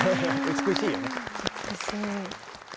美しい。